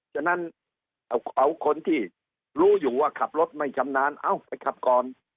ฉะนั้นเอาคนที่รู้อยู่ว่าขับรถไม่ชำนาญเอาไปขับก่อน